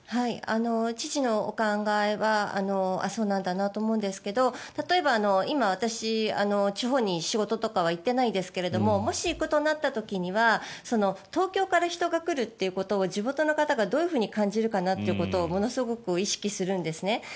知事のお考えはそうなんだなと思うんですが例えば今、私、地方に仕事とかは行っていないですがもし、行くことになった時には東京から人が来るということを地元の方がどう感じるかなということをものすごく意識するんですね。